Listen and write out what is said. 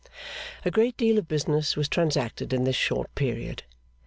A great deal of business was transacted in this short period.